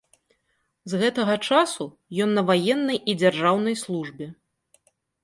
З гэтага часу ён на ваеннай і дзяржаўнай службе.